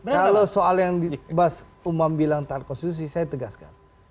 kalau soal yang bas umam bilang taat konstitusi saya tegaskan